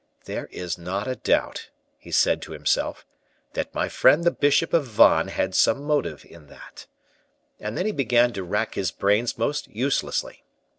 "There is not a doubt," he said to himself, "that my friend the bishop of Vannes had some motive in that;" and then he began to rack his brains most uselessly.